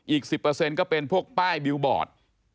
อีก๑๐ก็เป็นพวกป้ายบิวบอร์ด